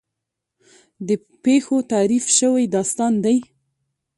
د پېښو تحریف شوی داستان دی.